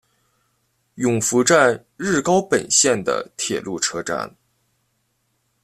勇拂站日高本线的铁路车站。